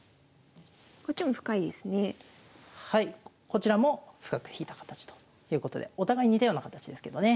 こちらも深く引いた形ということでお互い似たような形ですけどね。